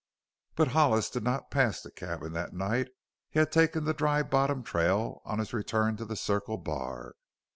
But Hollis did not pass the cabin that night. He had taken the Dry Bottom trail on his return to the Circle Bar.